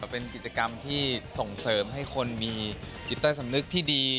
เป็นกิจกรรมที่ส่งเสริมให้คนมีจิตใต้สำนึกที่ดี